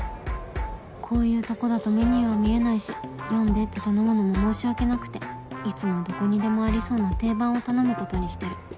こういうとこだとメニューは見えないし「読んで」って頼むのも申し訳なくていつもどこにでもありそうな定番を頼むことにしてる